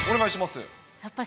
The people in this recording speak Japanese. お願いします。